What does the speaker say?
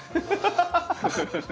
ハハハハ！